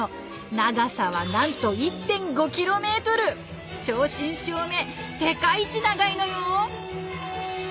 長さはなんと正真正銘世界一長いのよ。